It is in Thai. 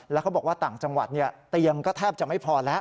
แล้วเขาบอกว่าต่างจังหวัดเตียงก็แทบจะไม่พอแล้ว